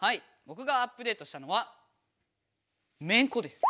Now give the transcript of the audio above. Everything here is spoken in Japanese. ぼくがアップデートしたのはめんこです！